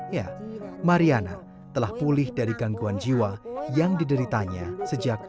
ya mariana telah pulih dari gangguan jiwa yang dideritanya sejak dua ribu lima belas